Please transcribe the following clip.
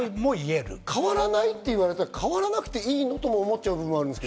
変わらないと言われたら、変わらなくていいの？とも思っちゃう部分もあるんですけど。